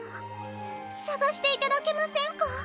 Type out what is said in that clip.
さがしていただけませんか？